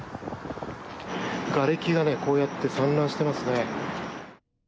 がれきがこうやって散乱してますね。